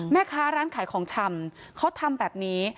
แม่ค้าร้านขายของชำเขาทำแบบนี้